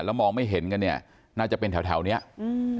แล้วมองไม่เห็นกันเนี้ยน่าจะเป็นแถวแถวเนี้ยอืม